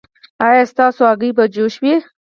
ایا ستاسو هګۍ به جوش وي؟